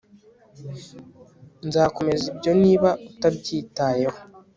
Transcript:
nzakomeza ibyo niba utabyitayeho